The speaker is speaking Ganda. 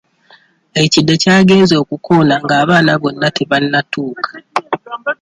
Ekide ky'agenze okukoona nga abaana bonna tebannatuuka.